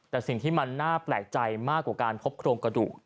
แต่สิ่งที่มันน่าแปลกใจมากกว่าการพบโครงกระดูก